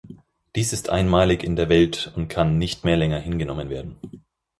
Dies ist einmalig in der Welt und kann nicht mehr länger hingenommen werden.